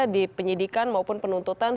di penyidikan maupun penuntutan